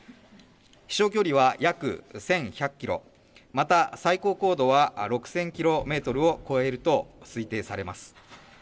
飛しょう距離は約１１００キロ、また最高高度は６０００ｋｍを超えると推定されます。